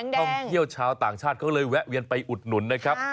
ท่องเที่ยวชาวต่างชาติเขาเลยแวะเวียนไปอุดหนุนนะครับ